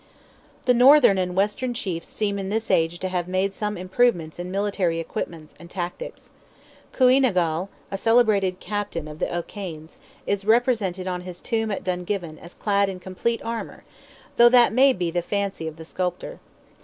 The northern and western chiefs seem in this age to have made some improvements in military equipments, and tactics. Cooey na gall, a celebrated captain of the O'Kanes, is represented on his tomb at Dungiven as clad in complete armour—though that may be the fancy of the sculptor.